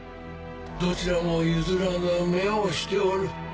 どちらも譲らぬ目をしておる。